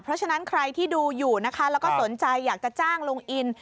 เพราะฉะนั้นใครที่ดูอยู่นะคะแล้วก็สนใจอยากจะจ้างลุงอิน